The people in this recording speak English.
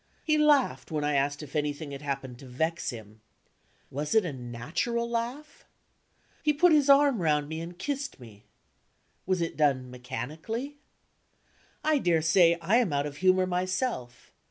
He laughed when I asked if anything had happened to vex him. Was it a natural laugh? He put his arm round me and kissed me. Was it done mechanically? I daresay I am out of humor myself.